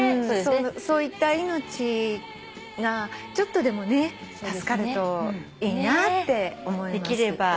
そういった命がちょっとでもね助かるといいなって思います。